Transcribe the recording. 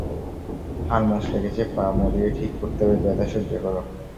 হাড় মোচড়ে গেছে, পা মোড়িয়ে ঠিক করতে হবে, ব্যথা সহ্য কর।